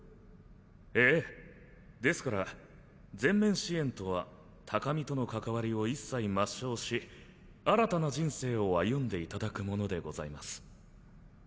ええですから全面支援とは鷹見との関わりを一切抹消し新たな人生を歩んでいただくものでございます。